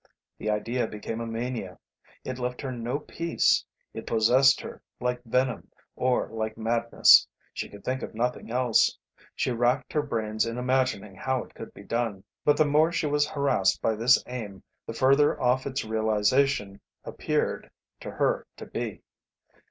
The idea became a mania. It left her no peace. It possessed her like venom or like madness. She could think of nothing else. She racked her brains in imagining how it could be done. But the more she was harassed by this aim the further off its realisation appeared to her to be.